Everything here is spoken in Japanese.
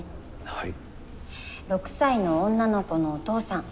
はい。